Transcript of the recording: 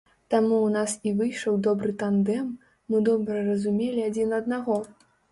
Таму ў нас і выйшаў добры тандэм, мы добра разумелі адзін аднаго.